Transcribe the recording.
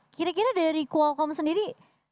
kira kira dari quokom sendiri